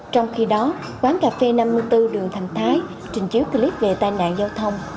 trong khi đó quán cà phê năm mươi bốn đường thành thái trình chiếu clip về tai nạn giao thông